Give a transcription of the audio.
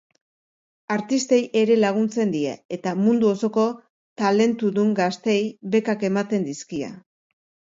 Artistei ere laguntzen die eta mundu osoko talentudun gazteei bekak ematen dizkie.